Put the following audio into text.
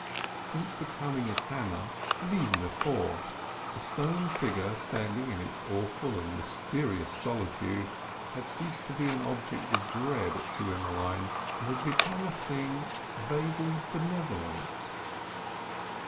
Since the coming of Hannah, and even before, the stone figure standing in its awful and mysterious solitude had ceased to be an object of dread to Emmeline, and had become a thing vaguely benevolent.